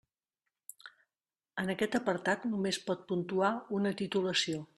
En aquest apartat només pot puntuar una titulació.